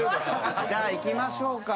じゃあいきましょうか。